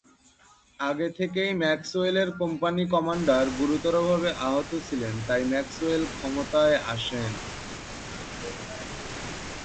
আগে থেকেই, ম্যাক্সওয়েল এর কোম্পানি কমান্ডার গুরুতরভাবে আহত ছিলেন তাই ম্যাক্সওয়েল ক্ষমতায় আসেন।